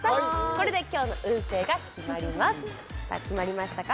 これで今日の運勢が決まりますさあ決まりましたか？